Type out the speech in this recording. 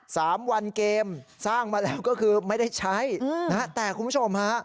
สามวันเกมสร้างมาแล้วก็คือไม่ได้ใช้อืมนะฮะแต่คุณผู้ชมฮะ